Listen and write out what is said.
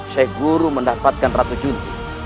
syekh guru mendapatkan ratu junti